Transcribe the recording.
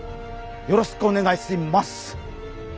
よろしくお願いします」。